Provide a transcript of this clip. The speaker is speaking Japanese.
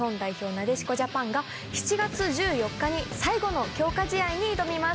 なでしこジャパンが７月１４日に最後の強化試合に挑みます。